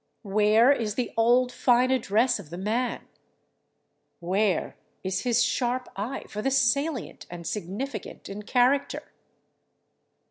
Where is the old fine address of the man? Where is his sharp eye for the salient and significant in character?